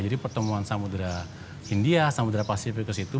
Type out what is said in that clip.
jadi pertemuan samudera india samudera pasifikus itu